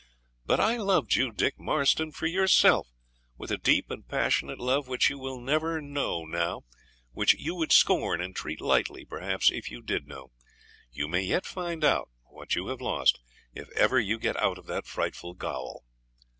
But I loved you, Dick Marston, for YOURSELF, with a deep and passionate love which you will never know now, which you would scorn and treat lightly, perhaps, if you did know. You may yet find out what you have lost, if ever you get out of that frightful gaol.